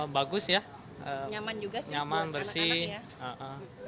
bagus ya nyaman bersih